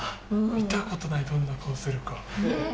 見たことないどんな顔してるか。ねぇ。